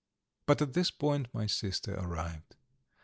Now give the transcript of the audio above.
But at this point my sister arrived.